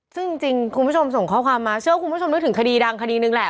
ซึ่งจริงคุณผู้ชมส่งข้อความมาเชื่อว่าคุณผู้ชมนึกถึงคดีดังคดีหนึ่งแหละ